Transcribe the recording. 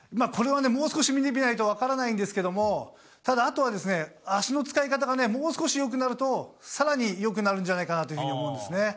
これはね、もう少し見てみないと分からないんですけども、ただあとはですね、足の使い方がね、もう少しよくなると、さらによくなるんじゃないかなというふうに思うんですね。